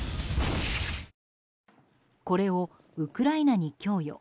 これをウクライナに供与。